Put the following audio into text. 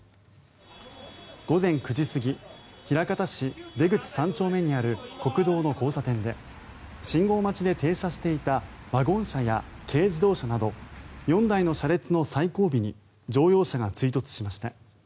午前９時過ぎ枚方市出口３丁目にある国道の交差点で信号待ちで停車していたワゴン車や軽自動車など４台の車列の最後尾に乗用車が追突しました。